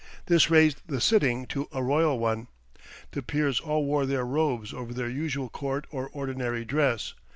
This raised the sitting to a royal one. The peers all wore their robes over their usual court or ordinary dress.